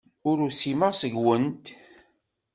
Ur usimeɣ seg-went.